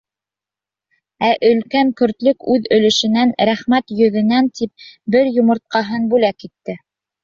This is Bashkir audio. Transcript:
Ә өлкән көртлөк үҙ өлөшөнән, рәхмәт йөҙөнән тип, бер йомортҡаһын бүлә к итте.